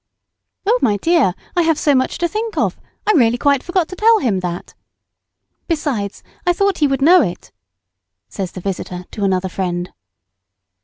"Oh! my dear, I have so much to think of, I really quite forgot to tell him that; besides, I thought he would know it," says the visitor to another friend.